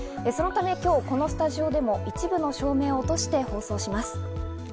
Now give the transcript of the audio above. そのため今日、このスタジオでも一部の照明を落として放送します。